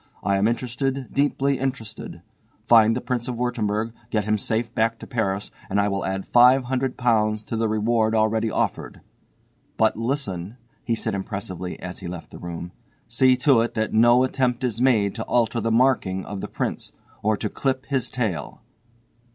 I am interested, deeply interested. Find the Prince of Wurttemberg, get him safe back to Paris and I will add £500 to the reward already offered. But listen," he said impressively as he left the room, "see to it that no attempt is made to alter the marking of the prince, or to clip his tail."